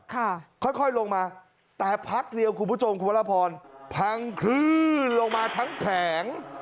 ค่อยค่อยลงมาแต่พักเดียวคุณผู้ชมคุณวรพรพังคลื่นลงมาทั้งแผง